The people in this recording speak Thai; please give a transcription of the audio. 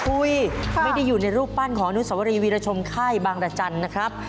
ไม่ได้อยู่ในรูปปั้นของอนุสวรีวีรชมค่ายบางรจันทร์นะครับ